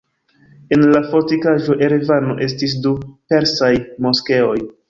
En la fortikaĵo Erevano estis du persaj moskeoj.